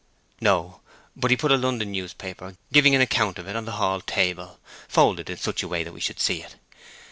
"No; but he put a London newspaper, giving an account of it, on the hall table, folded in such a way that we should see it.